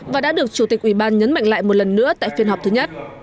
và đã được chủ tịch ủy ban nhấn mạnh lại một lần nữa tại phiên họp thứ nhất